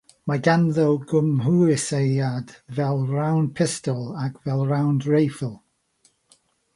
Mae ganddo gymhwysiad fel rownd pistol ac fel rownd reiffl.